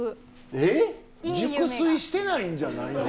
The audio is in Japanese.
えっ⁉熟睡してないんじゃないの？